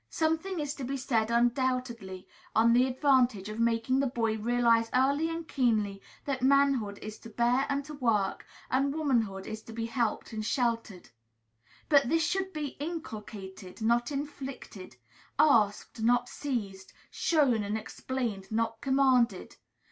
Something is to be said undoubtedly on the advantage of making the boy realize early and keenly that manhood is to bear and to work, and womanhood is to be helped and sheltered. But this should be inculcated, not inflicted; asked, not seized; shown and explained, not commanded.